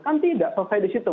kan tidak selesai di situ